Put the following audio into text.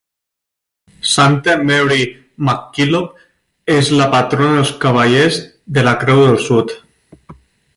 Santa Mary MacKillop és la patrona dels Cavallers de la Creu del Sud.